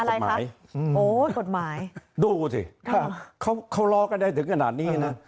อะไรครับโอ้กฎหมายดูสิครับเขาเขาลอก็ได้ถึงขนาดนี้น่ะ